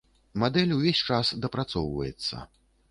Мадэль увесь час дапрацоўваецца.